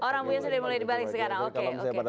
oh rambunya sudah mulai dibalik sekarang oke oke